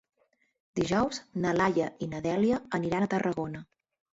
Dijous na Laia i na Dèlia aniran a Tarragona.